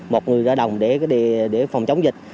một người ra đồng để phòng chống dịch